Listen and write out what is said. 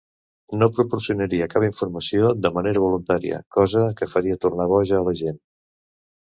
No proporcionaria cap informació de manera voluntària, cosa que faria tornar boja la gent.